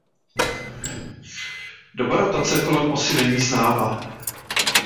Doba rotace kolem osy není známa.